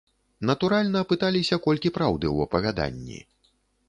Натуральна, пыталіся колькі праўды ў апавяданні.